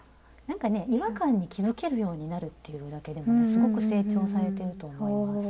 違和感に気付けるようになるっていうだけでもねすごく成長されていると思います。